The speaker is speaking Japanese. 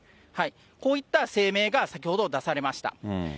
こういった声明が、先ほど出されました。